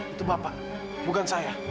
itu bapak bukan saya